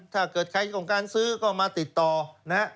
ถ้าเกิดใครต้องการซื้อก็มาติดต่อนะฮะ